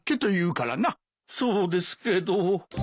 そうですけど。